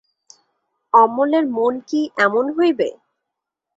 অমলের মন কি এমন হইবে।